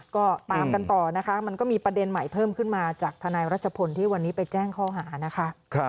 ก็ตามกันต่อนะคะมันก็มีประเด็นใหม่เพิ่มขึ้นมาจากทนายรัชพลที่วันนี้ไปแจ้งข้อหานะคะ